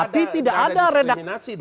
tidak ada diskriminasi